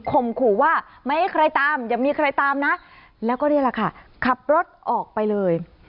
ขู่ว่าไม่ให้ใครตามอย่ามีใครตามนะแล้วก็นี่แหละค่ะขับรถออกไปเลย